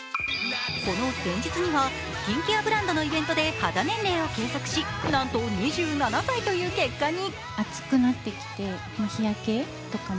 この前日にはスキンケアブランドのイベントで肌年齢を計測しなんと２７歳という結果に。